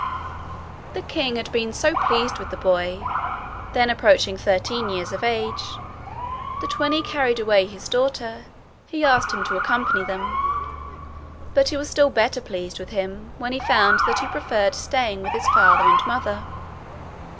The king had been so pleased with the boy then approaching thirteen years of age that when he carried away his daughter he asked him to accompany them; but he was still better pleased with him when he found that he preferred staying with his father and mother.